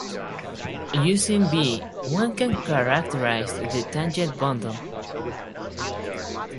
Using "V" one can characterize the tangent bundle.